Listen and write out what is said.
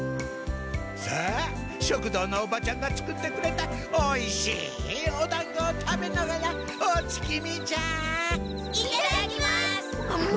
さあ食堂のおばちゃんが作ってくれたおいしいおだんごを食べながらお月見じゃあ！